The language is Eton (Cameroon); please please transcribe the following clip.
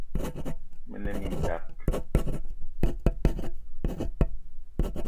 Me ne mintak